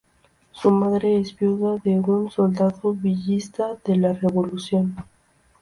Su madre es viuda de un soldado villista de la Revolución.